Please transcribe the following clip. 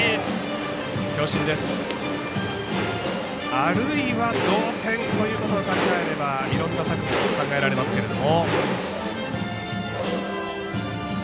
あるいは同点ということを考えればいろんな策も考えられますけども。